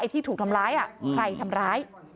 ที่ถูกทำร้ายใครทำร้าย